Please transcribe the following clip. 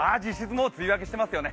もう梅雨明けしてますよね。